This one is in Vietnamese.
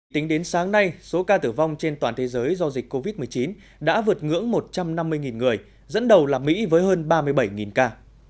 tính đến sáng nay số ca tử vong trên toàn thế giới do dịch covid một mươi chín đã vượt ngưỡng một trăm năm mươi người dẫn đầu là mỹ với hơn ba mươi bảy ca